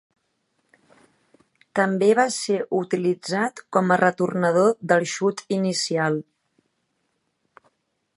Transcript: També va ser utilitzat com a retornador del xut inicial.